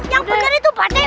yang bener itu bade